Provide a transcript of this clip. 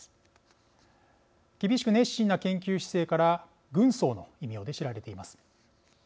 厳しく熱心な研究姿勢から軍曹の異名で知られています。